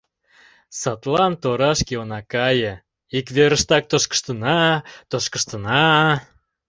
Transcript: Садлан торашке она кае, ик верыштак тошкыштына, тошкыштына...